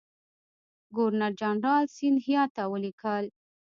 ګورنرجنرال سیندهیا ته ولیکل.